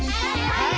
はい！